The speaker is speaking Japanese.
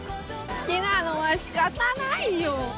「好きなのは仕方ないよ」